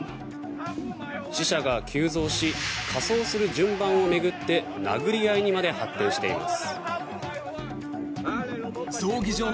死者が急増し火葬する順番を巡って殴り合いにまで発展しています。